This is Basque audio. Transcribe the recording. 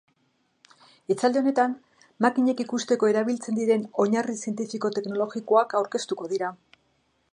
Hitzaldi honetan, makinek ikusteko erabiltzen diren oinarri zientifiko teknologikoak aurkeztuko dira.